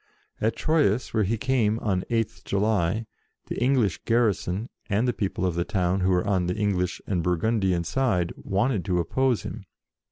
At Troyes, where he came on 8th July, the English garrison, and the people of the town who were on the English and Bur gundian side, wanted to oppose him.